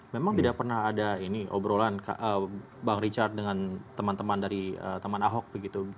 memang tidak pernah ada ini obrolan bang richard dengan teman teman dari teman ahok begitu